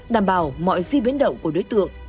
đảm bảo mọi di biến động của đối tượng